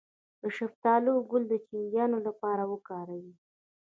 د شفتالو ګل د چینجیانو لپاره وکاروئ